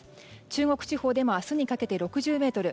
中国地方でも明日にかけて６０メートル。